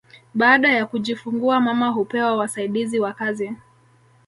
Baada ya kujifungua mama hupewa wasaidizi wa kazi